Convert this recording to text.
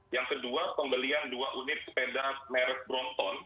yang kedua pembelian dua unit sepeda merek bronton